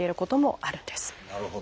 なるほど。